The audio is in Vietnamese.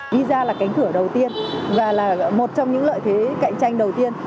visa là cánh cửa đầu tiên và là một trong những lợi thế cạnh tranh đầu tiên